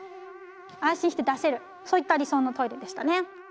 安心して出せるそういった理想のトイレでしたね。